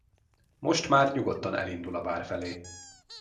Most már nyugodtan elindul a bár felé.